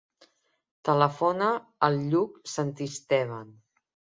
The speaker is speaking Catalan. Telefona al Lluc Santisteban.